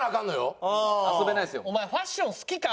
お前ファッション好きか？